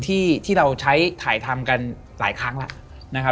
ที่เราใช้ถ่ายทำกันหลายครั้งแล้วนะครับ